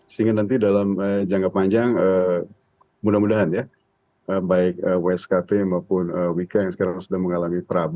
sehingga nanti dalam jangka panjang mudah mudahan ya baik wskt maupun wika yang sekarang sudah mengalami perang